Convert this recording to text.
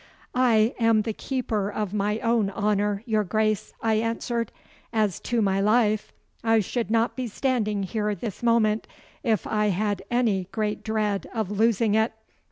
'I am the keeper of my own honour, your Grace,' I answered. 'As to my life, I should not be standing here this moment if I had any great dread of losing it.